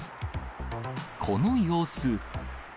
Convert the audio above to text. この様子。